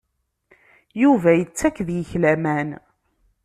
Yuba yettak deg-k laman.